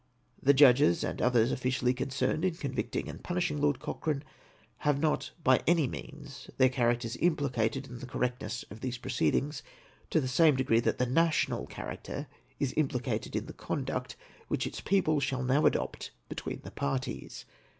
The judges and others officially concerned in convicting and punishing Lord Cochrane, have not by any means their characters implicated in the correctness of these proceedings to the same degree that the national character is implicated in the conduct which its people shall now adopt between the parties.